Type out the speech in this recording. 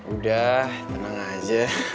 udah tenang aja